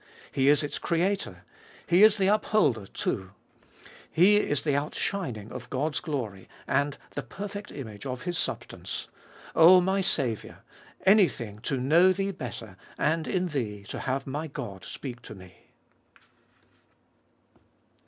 He is its Creator. He is the Up holder too. He is the Outshining of God's glory, and the perfect Image of His substance. O my Saviour! anything to know Thee better, and in Thee to have my God speak to me